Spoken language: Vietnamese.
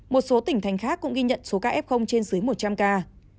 một số tỉnh thành khác cũng ghi nhận số ca f trên dưới một trăm linh ca